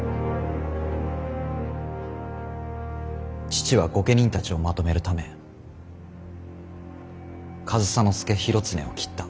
父は御家人たちをまとめるため上総介広常を斬った。